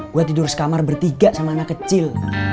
buat tidur sekamar bertiga sama anak kecil